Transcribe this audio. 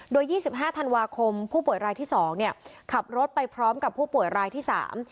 โดยยี่สิบห้าธันวาคมผู้ป่วยรายที่สองเนี่ยขับรถไปพร้อมกับผู้ป่วยรายที่สาม